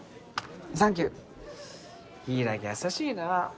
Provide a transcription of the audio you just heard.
サンキュー柊優しいなぁ。